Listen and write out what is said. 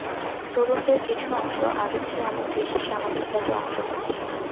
তরুণদের কিছু অংশ আগের চেয়ে অনেক বেশি সামাজিক কাজে অংশ নিচ্ছে।